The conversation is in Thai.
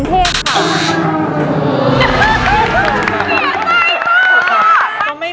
สถานีรถไฟไทย